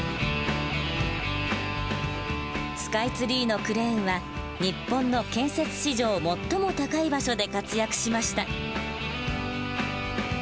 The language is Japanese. スカイツリーのクレーンは日本の建設史上最も高い場所で活躍しました。